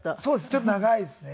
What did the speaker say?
ちょっと長いですね。